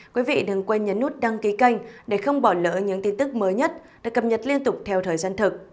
quý vị đừng quên nhấn nút đăng ký kênh để không bỏ lỡ những tin tức mới nhất được cập nhật liên tục theo thời gian thực